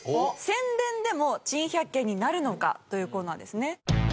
宣伝でも珍百景になるのか！？というコーナーですね。